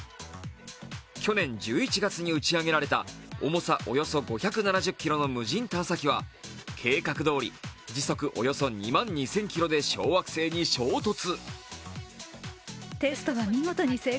去年１１月に打ち上げられた重さおよそ５７０ｋｇの無人探査機は計画どおり時速およそ２万２０００キロで小惑星に衝突。